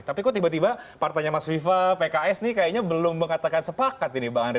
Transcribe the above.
tapi kok tiba tiba partainya mas viva pks nih kayaknya belum mengatakan sepakat ini bang andre